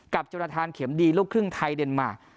กับจุดอาทารณ์เข็มดีลูกครึ่งไทยเดนมาร์